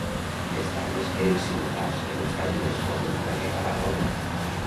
Les talles eren similars i no estaven les coses per regalar roba.